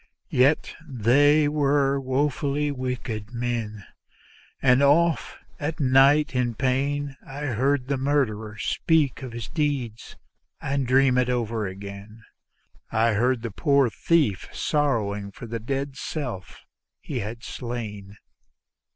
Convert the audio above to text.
Yet they were woefully wicked men, and often at night in pain I heard the murderer speak of his deed and dream it over again; I heard the poor thief sorrowing for the dead self he had slain.